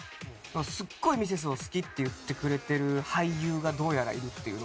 すっごいミセスを好きって言ってくれてる俳優がどうやらいるっていうのは知ってました。